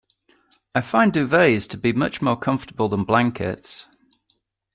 I find duvets to be much more comfortable than blankets